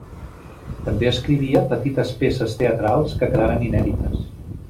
També escrivia petites peces teatrals que quedaren inèdites.